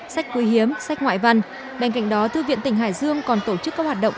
sách quý hiếm sách ngoại văn bên cạnh đó thư viện tỉnh hải dương còn tổ chức các hoạt động